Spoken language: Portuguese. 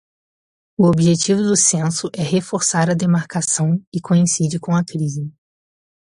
O objetivo do censo é reforçar a demarcação e coincide com a crise